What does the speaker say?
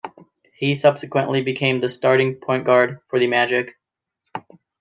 He subsequently became the starting point guard for the Magic.